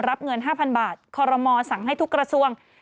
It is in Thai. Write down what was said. รับเงิน๕๐๐บาทคอรมอสั่งให้ทุกกระทรวง